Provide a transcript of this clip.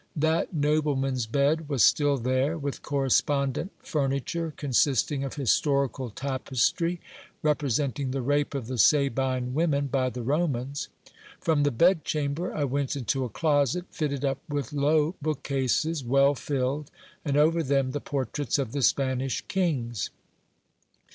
That nobleman's bed was still there, with correspondent furniture, consisting of historical tapestry, represent i:ig the rape of the Sabine women by the Romans. From the bed chamber, I went into a closet fitted up with low bookcases well filled, and over them the portraits of the Spanish kings.